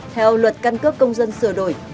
theo luật căn cước công dân sửa đổi